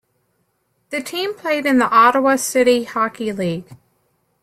The team played in the Ottawa City Hockey League.